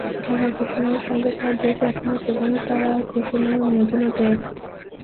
ঢাকা ঘোষণার সঙ্গেও তাঁর দেশ একমত এবং তাঁরা ঘোষণায় অনুমোদনও দেন।